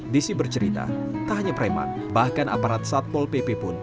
desi bercerita tak hanya preman bahkan aparat satpol pp pun